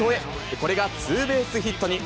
これがツーベースヒットに。